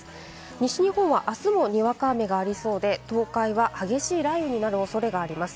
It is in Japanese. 西日本はあすもにわか雨がありそうで、東海は激しい雷雨になる恐れがあります。